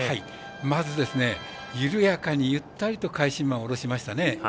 まず、緩やかにゆったりと返し馬をおろしましたね。